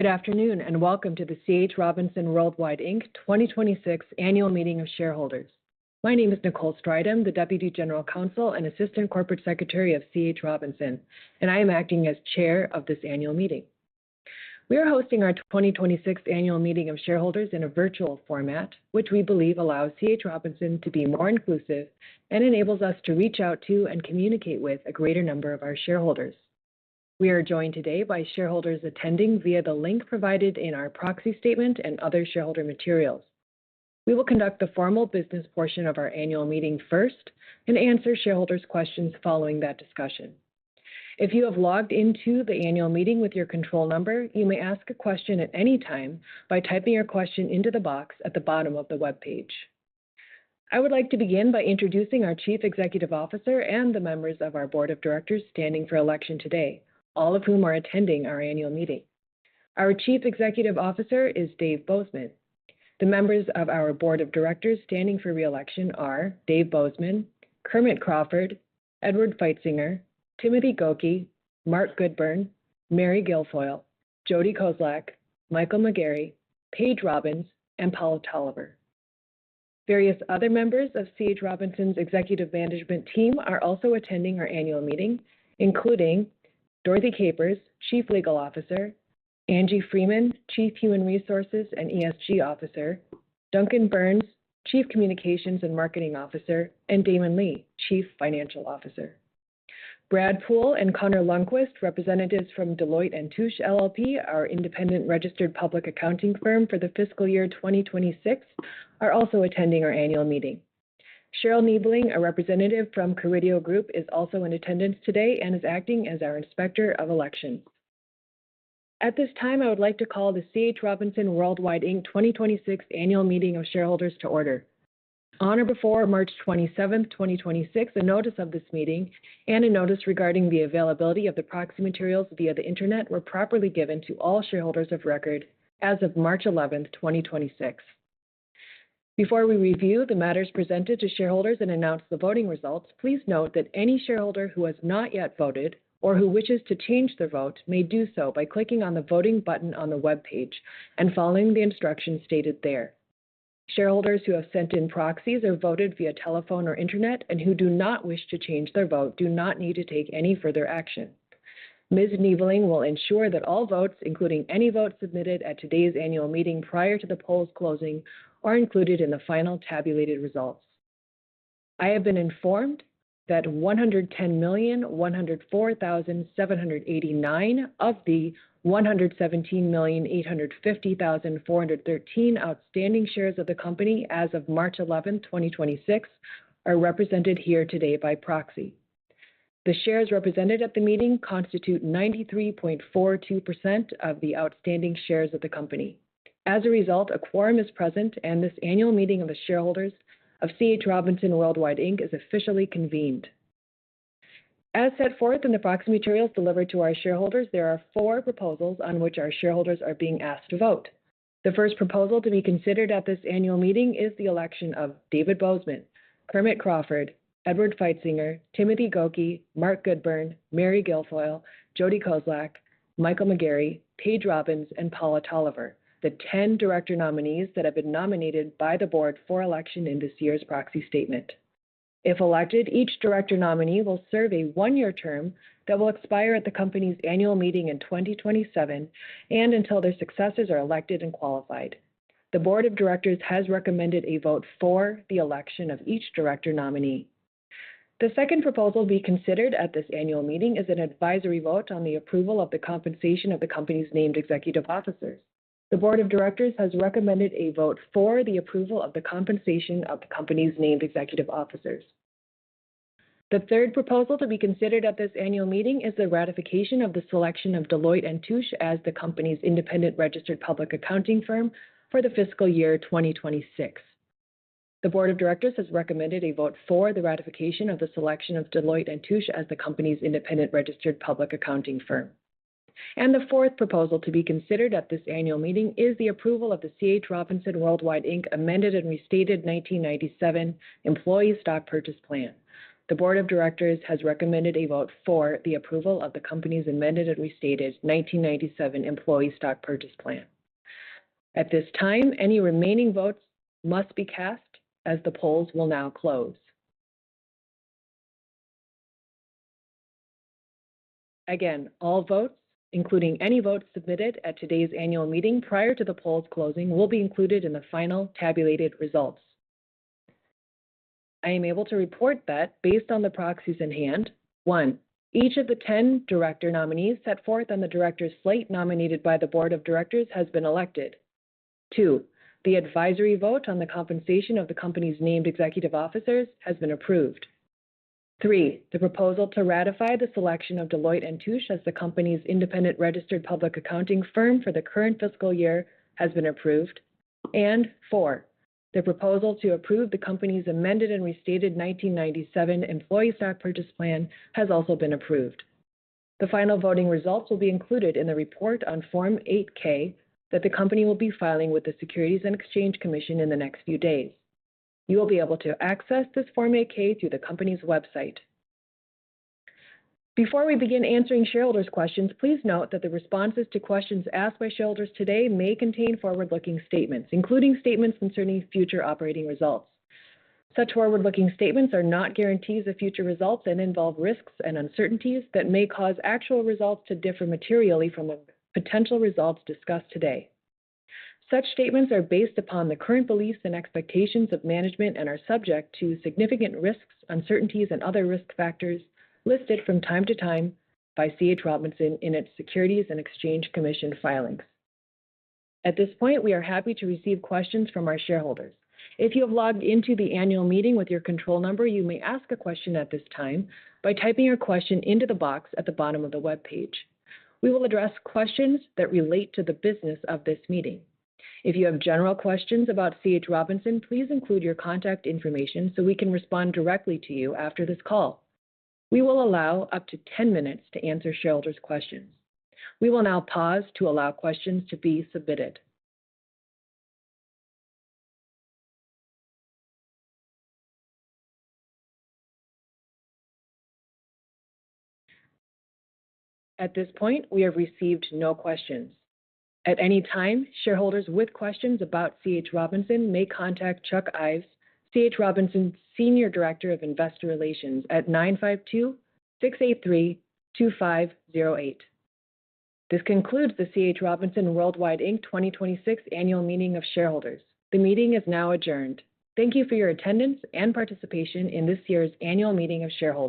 Good afternoon, welcome to the C.H. Robinson Worldwide Inc. 2026 Annual Meeting of Shareholders. My name is Nicole Strydom, the Deputy General Counsel and Assistant Corporate Secretary of C.H. Robinson, and I am acting as Chair of this annual meeting. We are hosting our 2026 Annual Meeting of Shareholders in a virtual format, which we believe allows C.H. Robinson to be more inclusive and enables us to reach out to and communicate with a greater number of our shareholders. We are joined today by shareholders attending via the link provided in our proxy statement and other shareholder materials. We will conduct the formal business portion of our annual meeting first and answer shareholders' questions following that discussion. If you have logged into the annual meeting with your control number, you may ask a question at any time by typing your question into the box at the bottom of the webpage. I would like to begin by introducing our Chief Executive Officer and the members of our Board of Directors standing for election today, all of whom are attending our annual meeting. Our Chief Executive Officer is Dave Bozeman. The members of our Board of Directors standing for re-election are Dave Bozeman, Kermit Crawford, Edward Feitzinger, Timothy Gokey, Mark Goodburn, Mary Guilfoile, Jodee Kozlak, Michael McGarry, Paige Robbins, and Paula Tolliver. Various other members of C.H. Robinson's executive management team are also attending our annual meeting, including Dorothy Capers, Chief Legal Officer, Angie Freeman, Chief Human Resources and ESG Officer, Duncan Burns, Chief Communications and Marketing Officer, and Damon Lee, Chief Financial Officer. Brad Poole and Connor Lundquist, representatives from Deloitte & Touche LLP, our independent registered public accounting firm for the fiscal year 2026, are also attending our annual meeting. Cheryl Niebeling, a representative from The Carideo Group, is also in attendance today and is acting as our Inspector of Elections. At this time, I would like to call the C.H. Robinson Worldwide, Inc. 2026 Annual Meeting of Shareholders to order. On or before March 27th, 2026, a notice of this meeting and a notice regarding the availability of the proxy materials via the Internet were properly given to all shareholders of record as of March 11, 2026. Before we review the matters presented to shareholders and announce the voting results, please note that any shareholder who has not yet voted or who wishes to change their vote may do so by clicking on the voting button on the webpage and following the instructions stated there. Shareholders who have sent in proxies or voted via telephone or Internet and who do not wish to change their vote do not need to take any further action. Ms. Niebeling will ensure that all votes, including any votes submitted at today's annual meeting prior to the polls closing, are included in the final tabulated results. I have been informed that 110,104,789 of the 117,850,413 outstanding shares of the company as of March 11, 2026 are represented here today by proxy. The shares represented at the meeting constitute 93.42% of the outstanding shares of the company. As a result, a quorum is present, and this annual meeting of the shareholders of C.H. Robinson Worldwide, Inc. is officially convened. As set forth in the proxy materials delivered to our shareholders, there are four proposals on which our shareholders are being asked to vote. The first proposal to be considered at this annual meeting is the election of David Bozeman, Kermit Crawford, Edward Feitzinger, Timothy Gokey, Mark Goodburn, Mary Guilfoile, Jodee Kozlak, Michael McGarry, Paige Robbins, and Paula Tolliver, the 10 director nominees that have been nominated by the board for election in this year's proxy statement. If elected, each director nominee will serve a one-year term that will expire at the company's annual meeting in 2027 and until their successors are elected and qualified. The Board of Directors has recommended a vote for the election of each director nominee. The second proposal to be considered at this annual meeting is an advisory vote on the approval of the compensation of the company's named executive officers. The Board of Directors has recommended a vote for the approval of the compensation of the company's named executive officers. The third proposal to be considered at this annual meeting is the ratification of the selection of Deloitte & Touche as the company's independent registered public accounting firm for the fiscal year 2026. The Board of Directors has recommended a vote for the ratification of the selection of Deloitte & Touche as the company's independent registered public accounting firm. The fourth proposal to be considered at this annual meeting is the approval of the C.H. Robinson Worldwide, Inc. amended and restated 1997 Employee Stock Purchase Plan. The Board of Directors has recommended a vote for the approval of the company's amended and restated 1997 Employee Stock Purchase Plan. At this time, any remaining votes must be cast, as the polls will now close. Again, all votes, including any votes submitted at today's annual meeting prior to the polls closing, will be included in the final tabulated results. I am able to report that based on the proxies in hand, one, each of the 10 director nominees set forth on the director's slate nominated by the Board of Directors has been elected. Two, the advisory vote on the compensation of the company's named executive officers has been approved. Three, the proposal to ratify the selection of Deloitte & Touche as the company's independent registered public accounting firm for the current fiscal year has been approved. Four, the proposal to approve the company's amended and restated 1997 Employee Stock Purchase Plan has also been approved. The final voting results will be included in the report on Form 8-K that the company will be filing with the Securities and Exchange Commission in the next few days. You will be able to access this Form 8-K through the company's website. Before we begin answering shareholders' questions, please note that the responses to questions asked by shareholders today may contain forward-looking statements, including statements concerning future operating results. Such forward-looking statements are not guarantees of future results and involve risks and uncertainties that may cause actual results to differ materially from the potential results discussed today. Such statements are based upon the current beliefs and expectations of management and are subject to significant risks, uncertainties, and other risk factors listed from time to time by C.H. Robinson in its Securities and Exchange Commission filings. At this point, we are happy to receive questions from our shareholders. If you have logged into the annual meeting with your control number, you may ask a question at this time by typing your question into the box at the bottom of the webpage. We will address questions that relate to the business of this meeting. If you have general questions about C.H. Robinson, please include your contact information so we can respond directly to you after this call. We will allow up to 10 minutes to answer shareholders' questions. We will now pause to allow questions to be submitted. At this point, we have received no questions. At any time, shareholders with questions about C.H. Robinson may contact Chuck Ives, C.H. Robinson's Senior Director of Investor Relations, at 952-683-2508. This concludes the C.H. Robinson Worldwide, Inc. 2026 Annual Meeting of Shareholders. The meeting is now adjourned. Thank you for your attendance and participation in this year's annual meeting of shareholders.